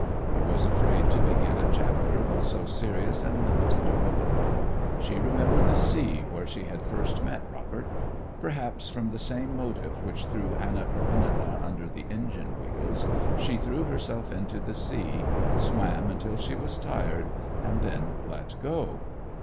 He was afraid to begin a chapter with so serious and limited a woman. She remembered the sea where she had first met "Robert." Perhaps from the same motive which threw "Anna Keraninna" under the engine wheels, she threw herself into the sea, swam until she was tired and then let go.